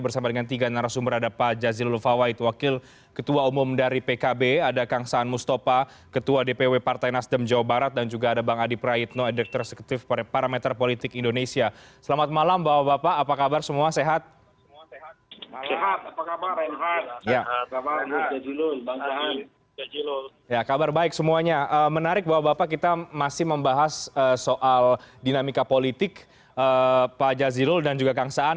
soal dinamika politik pak jazilul dan juga kang saan